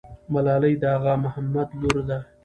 ملالۍ د اغا محمد لور ده.